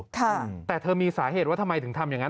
ค่ะแต่เธอมีสาเหตุว่าทำไมถึงทำอย่างงั้น